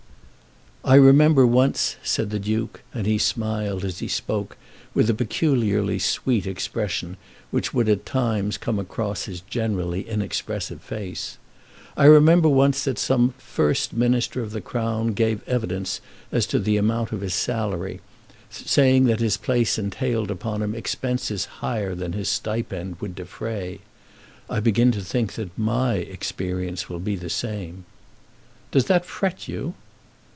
"I remember once," said the Duke, and he smiled as he spoke with a peculiarly sweet expression, which would at times come across his generally inexpressive face, "I remember once that some First Minister of the Crown gave evidence as to the amount of his salary, saying that his place entailed upon him expenses higher than his stipend would defray. I begin to think that my experience will be the same." "Does that fret you?"